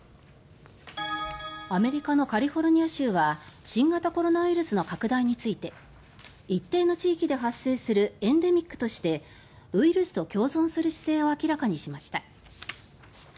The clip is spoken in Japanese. アメリカのカリフォルニア州は新型コロナウイルスの拡大について一定の地域で発生するエンデミックとしてウイルスと共存する姿勢を明らかにしました。